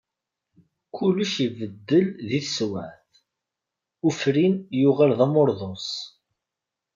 Kulec ibeddel di tesweԑt, ufrin yuγal d amurḍus.